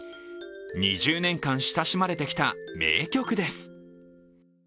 ２０年間、親しまれてきた名曲です。